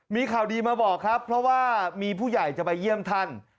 มีข่าวดีมาบอกครับเพราะว่ามีผู้ใหญ่จะไปเยี่ยมท่าน